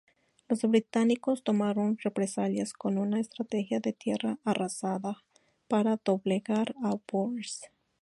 Los británicos tomaron represalias con una estrategia de "tierra arrasada", para doblegar a bóers.